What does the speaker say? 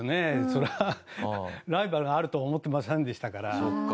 そりゃあライバルがあるとは思ってませんでしたから。